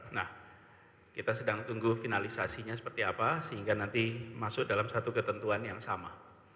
nah kita sedang tunggu finalisasinya seperti apa sehingga nanti masuk dalam satu ketentuan yang sama